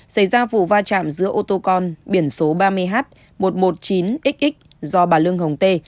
xảy ra vụ va chạm giữa ô tô con biển số ba mươi h một trăm một mươi chín xx do bà lương hồng tê